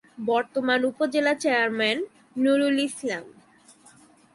বর্তমান উপজেলা চেয়ারম্যান :নূরুল ইসলাম।